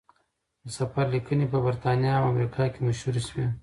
د سفر لیکنې په بریتانیا او امریکا کې مشهورې شوې.